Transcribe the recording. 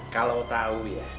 kalau tau ya